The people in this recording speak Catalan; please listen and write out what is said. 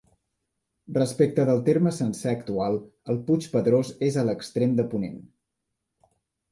Respecte del terme sencer actual, el Puig Pedrós és a l'extrem de ponent.